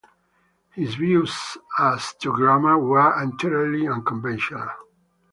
His views as to grammar were entirely unconventional.